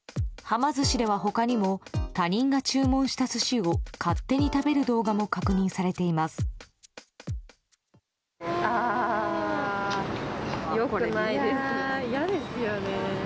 ま寿司では他にも他人が注文した寿司を勝手に食べる動画も確認されています。